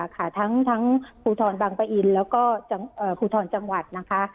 ทั้งภูทรบังปะอินแล้วก็ภูทรจังหวัดนะคะ